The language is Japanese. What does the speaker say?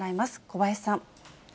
小林さん。